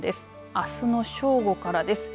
あすの正午からです。